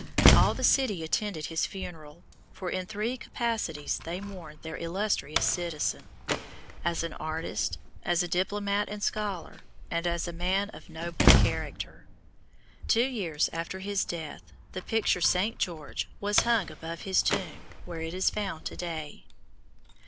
All the city attended his funeral, for in three capacities they mourned their illustrious citizen as an artist, as a diplomat and scholar, and as a man of noble character. Two years after his death the picture "St. George" was hung above his tomb where it is found to day.